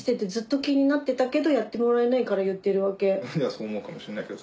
そう思うかもしれないけど。